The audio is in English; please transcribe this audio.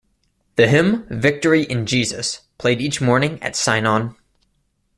The hymn "Victory in Jesus" played each morning at sign-on.